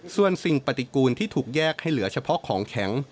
ส่วนสิ่งปฏิกูลที่ถูกแยกให้เหลือเฉพาะของแข็ง